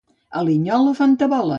A Linyola fan tabola.